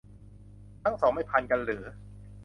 ทั้งสองไม่พันกันหรือ